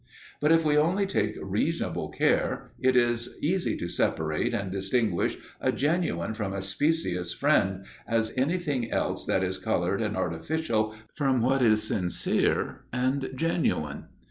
But if we only take reasonable care, it is as easy to separate and distinguish a genuine from a specious friend as anything else that is coloured and artificial from what is sincere and genuine.